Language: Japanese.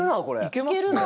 いけますね。